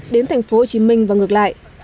đến thành phố hồ chí minh và ngược lại